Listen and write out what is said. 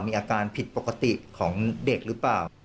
มีอาการผิดปกติของเด็กหรือเปล่า